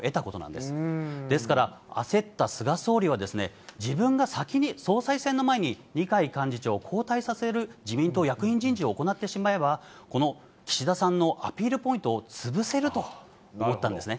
ですから、焦った菅総理はですね、自分が先に、総裁選の前に二階幹事長を交代させる自民党役員人事を行ってしまえば、この岸田さんのアピールポイントを潰せると思ったんですね。